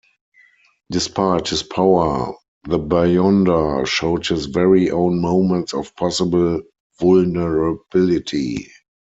Despite his power, the Beyonder showed his very own moments of possible vulnerability.